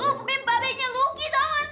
bukannya babenya luki sama si